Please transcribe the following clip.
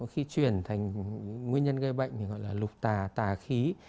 khi chuyển thành nguyên nhân gây bệnh thì gọi là lục tà tà khí